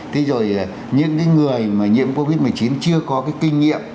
thế rồi những người mà nhiễm covid một mươi chín chưa có cái kinh nghiệm